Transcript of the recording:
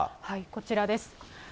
こちらです。